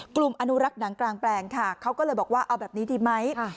อนุรักษ์หนังกลางแปลงค่ะเขาก็เลยบอกว่าเอาแบบนี้ดีไหม